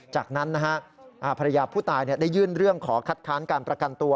จากนั้นนะฮะภรรยาผู้ตายได้ยื่นเรื่องขอคัดค้านการประกันตัว